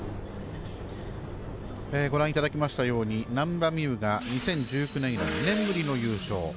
ご覧いただきましたように難波実夢が２０１９年以来２年ぶりの優勝。